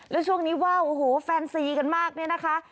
แล้วช่วงนี้ว่าวโอ้โหแฟนซีกันมากเนี่ยนะคะ